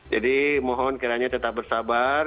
mohon kiranya tetap bersabar